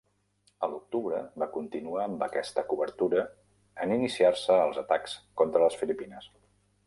A l'octubre va continuar amb aquesta cobertura en iniciar-se els atacs contra les Filipines.